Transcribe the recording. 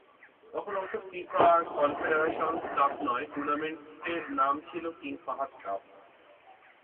তখন অবশ্য FIFA Confederations Cup নয়, টুর্নামেন্টের নাম ছিল কিং ফাহাদ কাপ।